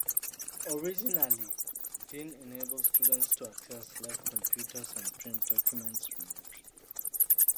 Originally, Dyn enabled students to access lab computers and print documents remotely.